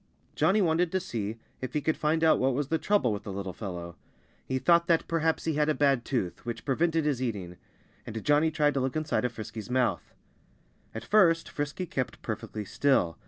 Johnnie wanted to see if he could find out what was the trouble with the little fellow. He thought that perhaps he had a bad tooth, which prevented his eating. And Johnnie tried to look inside of Frisky's mouth. At first Frisky kept perfectly still.